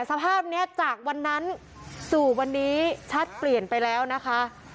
สภาพนี้จากวันนั้นสู่วันนี้ชัดเปลี่ยนไปแล้วนะคะ